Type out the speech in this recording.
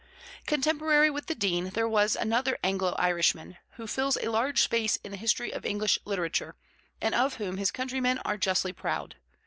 Contemporary with the Dean there was another Anglo Irishman, who fills a large space in the history of English literature, and of whom his countrymen are justly proud.